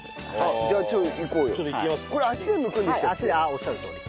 おっしゃるとおり。